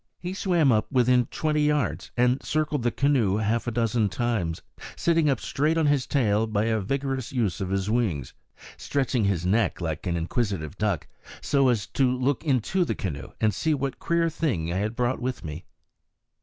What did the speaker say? He swam up within twenty yards, and circled the canoe half a dozen times, sitting up straight on his tail by a vigorous use of his wings, stretching his neck like an inquisitive duck, so as to look into the canoe and see what queer thing I had brought with me.